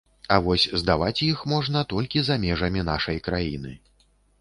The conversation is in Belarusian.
А вось здаваць іх можна толькі за межамі нашай краіны.